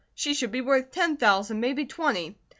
She should be worth ten thousand, maybe twenty!"